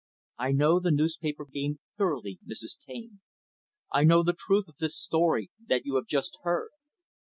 I know the newspaper game thoroughly, Mrs. Taine. I know the truth of this story that you have just heard.